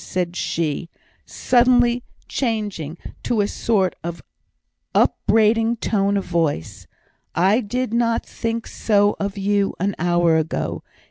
said she, suddenly changing to a sort of upbraiding tone of voice, "I did not think so of you an hour ago.